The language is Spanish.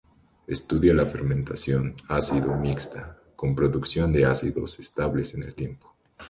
Estudia la fermentación ácido mixta con producción de ácidos estables en el tiempo.